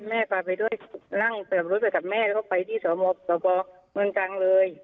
แม่ปลาไปด้วยลั่งรถไปกับแม่แล้วก็ไปที่สวมพสวมพเมืองจังเลย